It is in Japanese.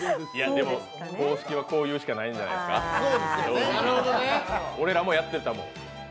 でも公式はこう言うしかないんじゃないですか、俺らもやってたもん。